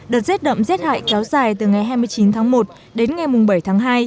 đợt rét đậm rét hại kéo dài từ ngày hai mươi chín tháng một đến ngày bảy tháng hai